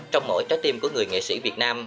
trong mỗi trái tim của người nghệ sĩ việt nam